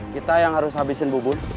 kita yang harus habisin bu bun